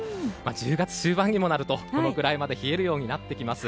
１０月終盤になるとこのくらいまで冷えるようになってきます。